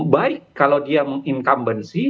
baik kalau dia menginkabensi